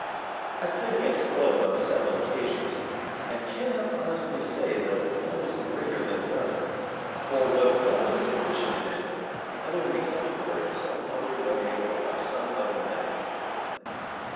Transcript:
I have played against both on several occasions, and cannot honestly say that one is greater than the other, for what one is deficient in the other makes up for in some other way or by some other method.